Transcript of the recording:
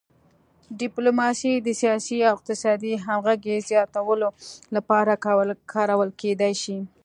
ډیپلوماسي د سیاسي او اقتصادي همغږۍ زیاتولو لپاره کارول کیدی شي